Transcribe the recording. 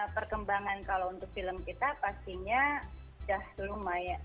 perkembangan kalau untuk film kita pastinya sudah lumayan